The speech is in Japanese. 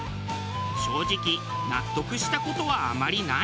正直納得した事はあまりない。